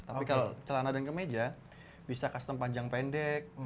tapi kalau celana dan kemeja bisa custom panjang pendek